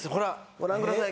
ご覧ください